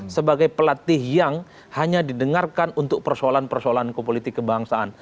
sebagai pelatih yang hanya didengarkan untuk persoalan persoalan kopolitik kebangsaan